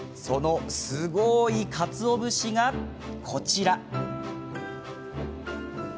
そのすごいかつお節が、こちら。